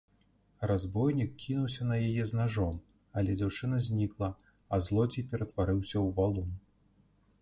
Разбойнік кінуўся на яе з нажом, але дзяўчына знікла, а злодзей ператварыўся ў валун.